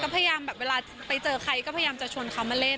พยายามแบบเวลาไปเจอใครก็พยายามจะชวนเขามาเล่น